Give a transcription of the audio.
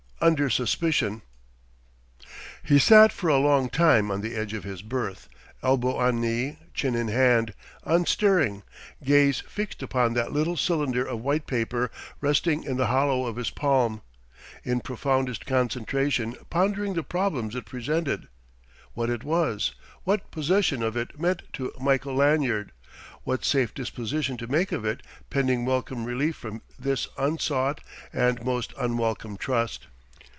VI UNDER SUSPICION He sat for a long time on the edge of his berth, elbow on knee, chin in hand, unstirring, gaze fixed upon that little cylinder of white paper resting in the hollow of his palm, in profoundest concentration pondering the problems it presented: what it was, what possession of it meant to Michael Lanyard, what safe disposition to make of it pending welcome relief from this unsought and most unwelcome trust.